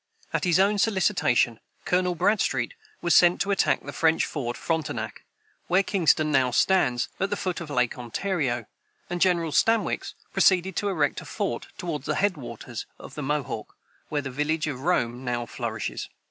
At his own solicitation, Colonel Bradstreet was sent to attack the French fort Frontenac, where Kingston now stands, at the foot of Lake Ontario; and General Stanwix proceeded to erect a fort toward the head waters of the Mohawk, where the village of Rome now flourishes.